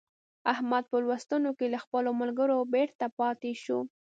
احمد په لوستونو کې له خپلو ملګرو بېرته پاته شو.